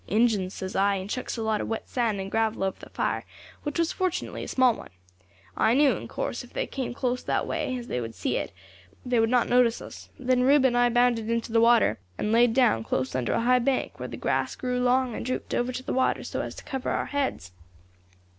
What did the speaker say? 'Injins,' says I, and chucks a lot of wet sand and gravel over the fire, which was fortunately a small one. I knew, in course, if they came close that way, as they would see it; but if they passed at some distance they would not notice us. Then Rube and I bounded into the water, and laid down close under a high bank, where the grass grew long, and drooped over to the water so as to cover our heads.